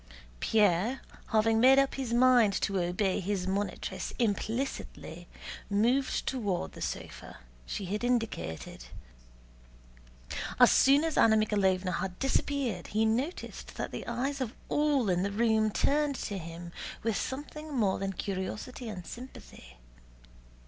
Pierre, having made up his mind to obey his monitress implicitly, moved toward the sofa she had indicated. As soon as Anna Mikháylovna had disappeared he noticed that the eyes of all in the room turned to him with something more than curiosity and sympathy.